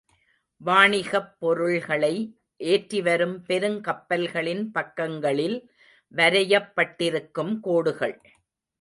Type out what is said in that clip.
வாணிகப் பொருள்களை ஏற்றிவரும் பெருங் கப்பல்களின் பக்கங்களில் வரையப்பட்டிருக்கும் கோடுகள்.